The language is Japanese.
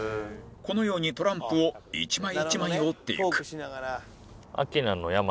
このようにトランプを一枚一枚折っていく